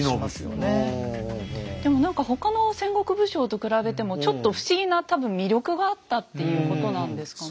でも何か他の戦国武将と比べてもちょっと不思議な多分魅力があったっていうことなんですかね。